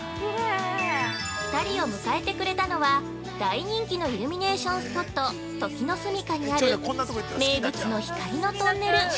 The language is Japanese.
◆２人を迎えてくれたのは、大人気のイルミネーションスポット、時之栖にある名物の光のトンネル。